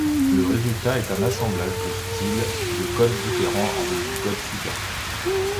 Le résultat est un assemblage de styles de code différents avec du code superflu.